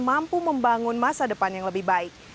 mampu membangun masa depan yang lebih baik